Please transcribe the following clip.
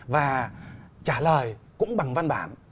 và trả lời cũng bằng văn bản